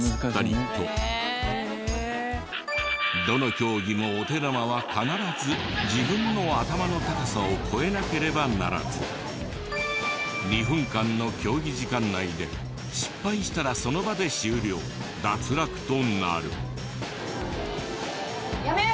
どの競技もお手玉は必ず自分の頭の高さを越えなければならず２分間の競技時間内で失敗したらその場で終了脱落となる。